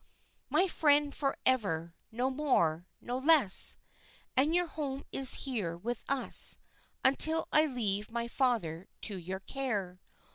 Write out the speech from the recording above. "My friend forever, no more, no less; and your home is here with us until I leave my father to your care.